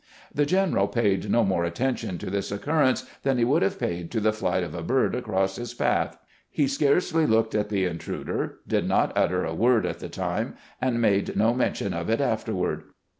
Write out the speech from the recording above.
The general paid no more attention to this occurrence than he would have paid to the flight of a bird across his path. He scarcely looked at the intruder, did not utter a word at the time, and made no mention of it afterward.